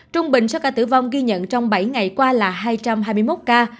trung bình số ca tử vong ghi nhận trong bảy ngày qua là hai trăm hai mươi một ca